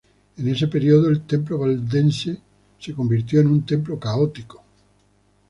En ese período el templo valdense se convirtió en un templo católico.